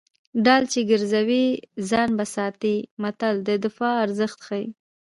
ډال چې ګرځوي ځان به ساتي متل د دفاع ارزښت ښيي